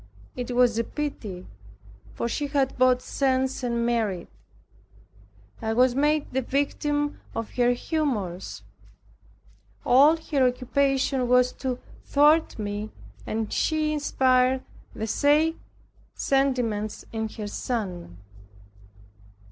It was a pity, for she had both sense and merit. I was made the victim of her humors. All her occupation was to thwart me and she inspired the like sentiments in her son.